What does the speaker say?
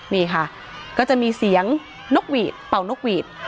นี่ค่ะก็จะมีเสียงนกหวีดเป่านกหวีด